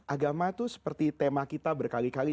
agama itu seperti tema kita berkali kali